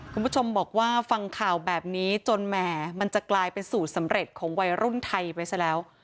คุณผู้ชมบอกว่าฟังข่าวแบบนี้จนแหมมันจะกลายเป็นสูตรสำเร็จของวัยรุ่นไทยไปซะแล้ว